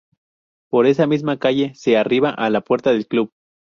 Por esa misma calle se arriba a la puerta del club.